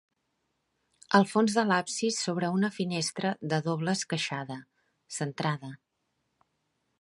Al fons de l'absis s'obre una finestra de doble esqueixada, centrada.